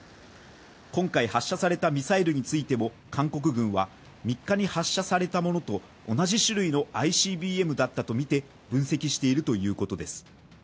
今回発射されたミサイルについても韓国軍は３日に発射されたものと同じ種類のＩＣＢＭだとみて分析しているということです。